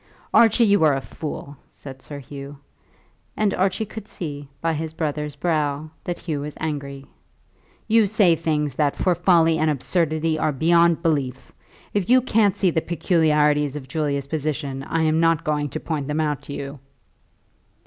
"Archie, you are a fool," said Sir Hugh; and Archie could see by his brother's brow that Hugh was angry. "You say things that for folly and absurdity are beyond belief. If you can't see the peculiarities of Julia's position, I am not going to point them out to you."